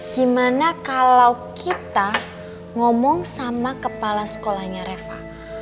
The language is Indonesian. gimana kalau kita ngomong sama kepala sekolahnya reva